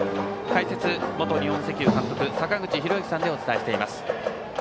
解説は元日本石油監督坂口裕之さんでお伝えしています。